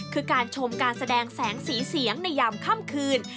คือการชมการแสดงแสงสีเสียงในยามค่ำคืน